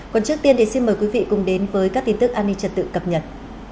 còn trước tiên thì xin mời quý vị cùng đến với các tin tức an ninh trật tự cập nhật